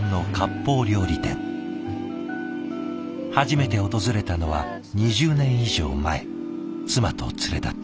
初めて訪れたのは２０年以上前妻と連れ立って。